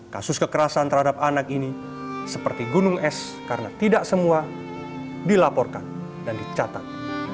kasus kekerasan terhadap anak ini seperti gunung es karena tidak semua dilaporkan dan dicatat